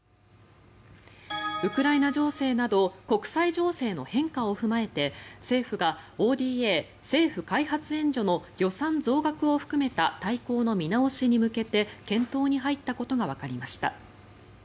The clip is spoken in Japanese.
ウクライナ情勢など国際情勢の変化を踏まえて政府がＯＤＡ・政府開発援助の予算増額を含めた大綱の見直しに向けて検討に入ったことがわかりました。